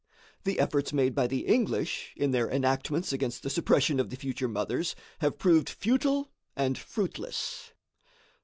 The efforts made by the English in their enactments against the suppression of the future mothers have proved futile and fruitless.